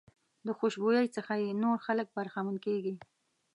د خوشبويۍ څخه یې نور خلک برخمن کېږي.